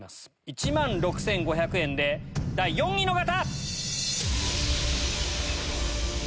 １万６５００円で第４位の方！